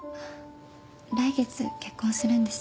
来月結婚するんです。